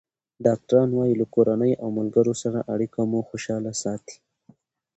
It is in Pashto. ډاکټران وايي له کورنۍ او ملګرو سره اړیکه مو خوشحاله ساتي.